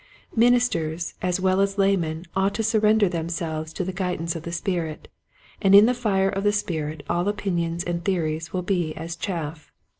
'*" Ministers as well as laymen ought to surrender them selves to the guidance of the Spirit, and in the fire of the Spirit all opinions and theories will be as chaff.